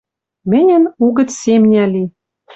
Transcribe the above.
Мӹньӹн угӹц семня ли.